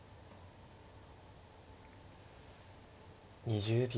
２０秒。